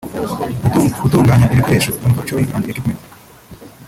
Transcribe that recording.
Gutunganya ibikoresho (manufacturing and equipment)